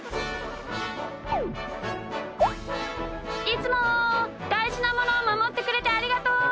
いつもだいじなものをまもってくれてありがとう！